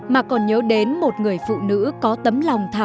mà còn nhớ đến một người phụ nữ có tấm lòng thảo